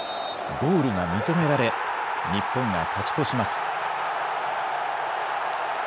ゴールが認められ日本が勝ち越します。